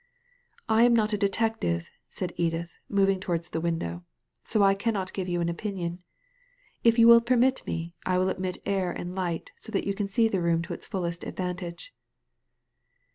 *I am not a detective," said Edith, moving towards the window, "so I cannot give you an opinion. If you will permit me I will admit air and light so that you can see the room to its fullest advantage."